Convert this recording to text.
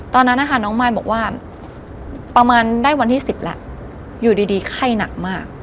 ตอนนั้นนะคะน้องมายบอกว่าประมาณได้วันที่๑๐แล้วอยู่ดีไข้หนักมาก